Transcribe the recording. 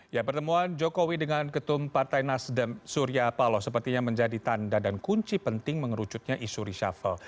ya pertemuan jokowi dengan ketum partai nasdem surya paloh sepertinya menjadi tanda dan kunci penting mengerucutnya isu reshuffle